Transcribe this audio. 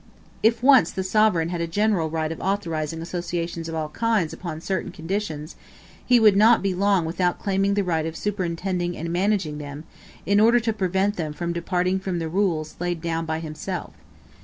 If once the sovereign had a general right of authorizing associations of all kinds upon certain conditions, he would not be long without claiming the right of superintending and managing them, in order to prevent them from departing from the rules laid down by himself.